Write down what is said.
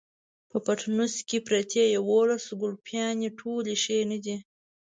په پټنوس کې پرتې يوولس ګلپيانې ټولې ښې نه دي.